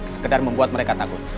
sekedar membuat mereka takut